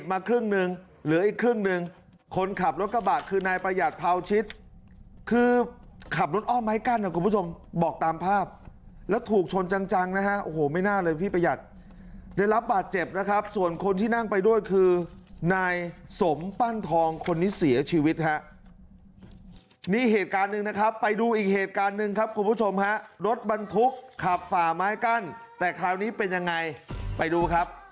เก็บมาครึ่งนึงเหลืออีกครึ่งนึงคนขับรถกระบาดคือนายประหยัดพราวชิตคือขับรถอ้อมไม้ก้านครับคุณผู้ชมบอกตามภาพแล้วถูกชนจังนะฮะโอ้โหไม่น่าเลยพี่ประหยัดได้รับบาดเจ็บนะครับส่วนคนที่นั่งไปด้วยคือนายสมปั้นทองคนนี้เสียชีวิตครับนี่เหตุการณ์หนึ่งนะครับไปดูอีกเหตุการณ์หนึ่งครับคุณผู้